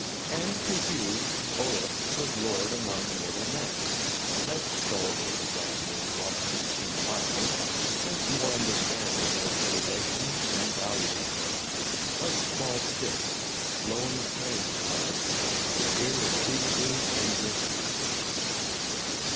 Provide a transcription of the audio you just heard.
And to Hugh, Olaf was lord among mortal men, less stalwart than the old monarch, King Miles, but more understanding of the relations and values of things, of small sticks, lone playing cards, and irretrievably injured hoops.